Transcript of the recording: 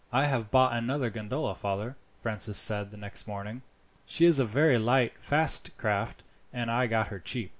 "I have bought another gondola, father," Francis said the next morning. "She is a very light, fast craft, and I got her cheap."